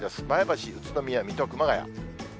前橋、宇都宮、水戸、熊谷。